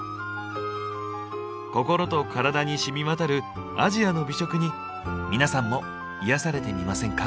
心とカラダにしみわたるアジアの美食に皆さんも癒やされてみませんか？